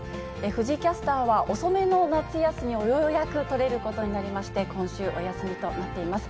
藤井キャスターは遅めの夏休みをようやく取れることになりまして、今週、お休みとなっています。